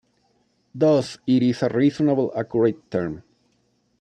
Thus, it is a reasonably accurate term.